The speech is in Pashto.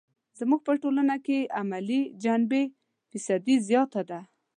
زموږ په ټولنه کې یې د عملي جنبې فیصدي زیاته ده.